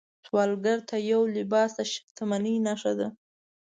سوالګر ته یو لباس د شتمنۍ نښه ده